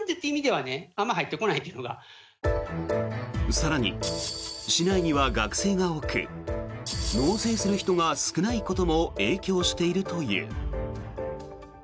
更に市内には学生が多く納税する人が少ないことも影響しているという。